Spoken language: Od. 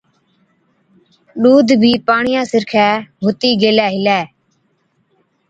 ڏُوڌ بِي پاڻِيان سِرکَي هُتِي گيلَي هِلَي۔